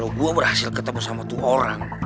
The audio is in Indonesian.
kalau gue berhasil ketemu sama tu orang